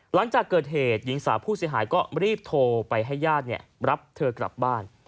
หลังจากเกิดเหตุหญิงสาวผู้เสียหายก็รีบโทรไปให้ญาติรับเธอกลับบ้าน